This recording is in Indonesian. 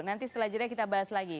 nanti setelah jeda kita bahas lagi